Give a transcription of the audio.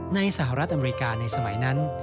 สหรัฐอเมริกาในสมัยนั้น